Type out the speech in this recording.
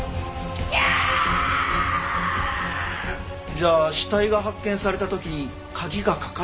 じゃあ死体が発見された時鍵がかかっていた。